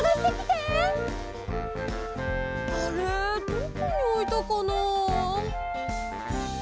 どこにおいたかなあ。